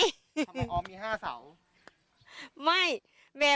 ทำไมอ๋อมี๕เสา